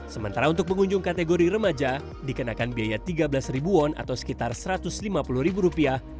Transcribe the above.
sementara untuk pengunjung kategori remaja dikenakan biaya tiga belas won atau sekitar satu ratus lima puluh ribu rupiah